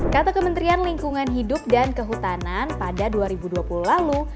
kata kementerian lingkungan hidup dan kehutanan pada dua ribu dua puluh lalu